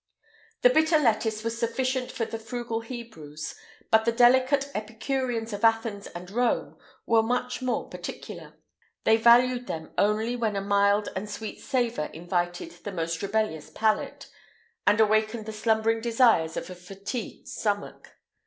The bitter lettuce was sufficient for the frugal Hebrews,[IX 128] but the delicate epicureans of Athens and Rome were much more particular; they valued them only when a mild and sweet savour invited the most rebellious palate, and awakened the slumbering desires of a fatigued stomach.